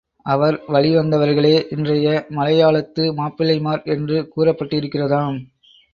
அவர் வழிவந்தவர்களே இன்றைய மலையாளத்து மாப்பிள்ளைமார் என்று கூறப்பட்டிருக்கிறதாம்.